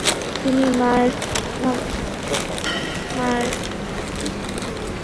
তিনি মার্ক্সীয় দর্শন, আণবিক বিজ্ঞানের অগ্রগতি, এমনকি বাগান করা সম্পর্কেও যথেষ্ট পড়াশোনা করেছেন।